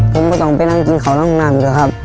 ผมไม่ต้องไปนั่งกินของนั่งเลยครับ